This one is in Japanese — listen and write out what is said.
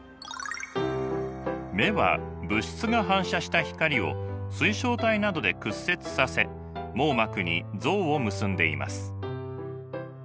目は物質が反射した光を水晶体などで屈折させ網膜に像を結んでいます。